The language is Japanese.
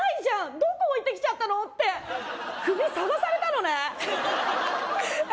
「どこ置いてきちゃったの？」って首捜されたのねえ